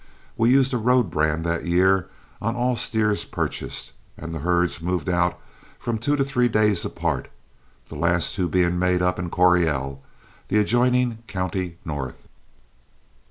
We used a road brand that year on all steers purchased, and the herds moved out from two to three days apart, the last two being made up in Coryell, the adjoining county north.